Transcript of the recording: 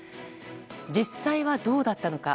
実際はどうだったのか。